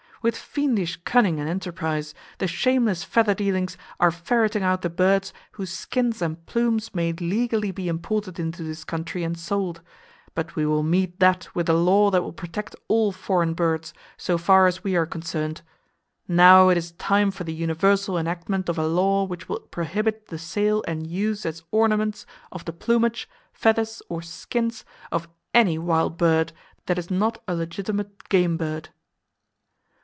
With fiendish cunning and enterprise, the shameless feather dealers are ferreting out the birds whose skins and plumes may legally be imported into this country [Page 117] and sold; but we will meet that with a law that will protect all foreign birds, so far as we are concerned. Now it is time for the universal enactment of a law which will prohibit the sale and use as ornaments of the plumage, feathers or skins of any wild bird that is not a legitimate game bird.